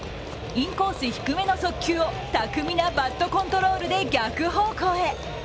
インコース低めの速球を巧みなバットコントロールで逆方向へ。